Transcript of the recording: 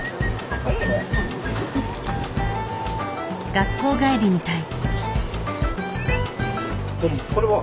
学校帰りみたい。